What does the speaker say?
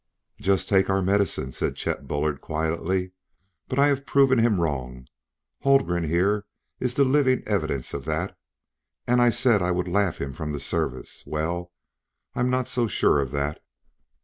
"Just take our medicine," said Chet Bullard quietly. "But I have proved him wrong; Haldgren, here, is the living evidence of that. And I said I would laugh him from the Service well, I'm not so sure of that."